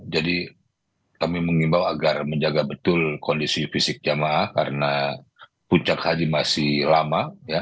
jadi kami mengimbau agar menjaga betul kondisi fisik jemaah karena puncak haji masih lama ya